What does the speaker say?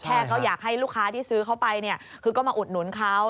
แค่เขาอยากให้ลูกค้าที่ซื้อเขาไปเนี่ยคือก็มาอุดหนุนเขา